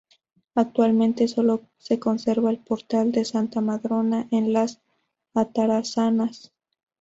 Actualmente sólo se conserva el Portal de Santa Madrona, en las Atarazanas.